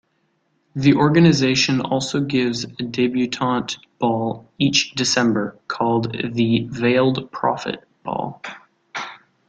The organization also gives a debutante ball each December called the Veiled Prophet Ball.